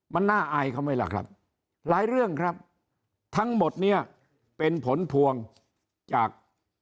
มันน่าอายเขาไหมล่ะครับหลายเรื่องครับทั้งหมดเนี่ยเป็นผลพวงจาก